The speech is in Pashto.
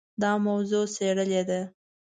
دا موضوع څېړلې ده.